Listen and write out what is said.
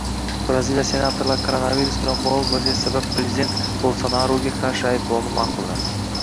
Braziliya senatorlari koronavirus bilan bog‘liq vaziyat sabab prezident Bolsonaruga qarshi ayblovni ma’qulladi